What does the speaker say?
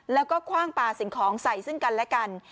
แล้วก็คว่างปลาสิ่งของใส่ซึ่งกันและกัน